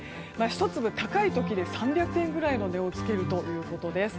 １粒高い時で３００円ぐらいの値をつけるということです。